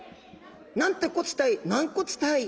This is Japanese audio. なんてこったい軟骨たい。